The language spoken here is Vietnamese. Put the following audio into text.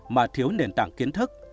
mà thiếu nền tảng kiến thức